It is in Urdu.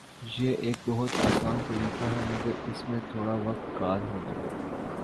یہ ایک بہت آسان طریقہ ہے مگر اس میں تھوڑا وقت کار ہوگا